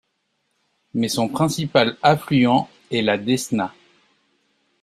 Mais son principal affluent est la Desna.